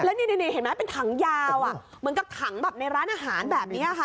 เห็นไหมเป็นถังยาวอ่ะมันก็ถังแบบในร้านอาหารแบบนี้ค่ะ